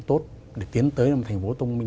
tốt để tiến tới thành phố thông minh